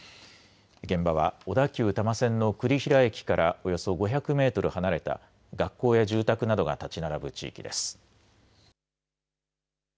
現場は小田急多摩線の栗平駅からおよそ５００メートル離れた学校や住宅などが建ち並ぶ地域です。